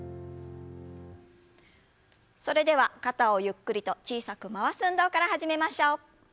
それでは肩をゆっくりと小さく回す運動から始めましょう。